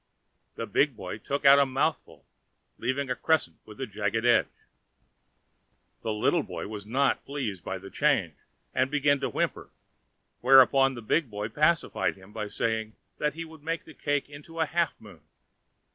The big boy took out a mouthful, leaving a crescent with jagged edge. The little boy was not pleased by the change, and began to whimper; whereupon the big boy pacified him by saying that he would make the cake into a half moon.